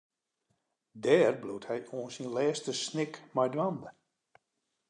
Dêr bliuwt hy oant syn lêste snik mei dwaande.